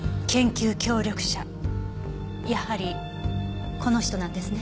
やはりこの人なんですね。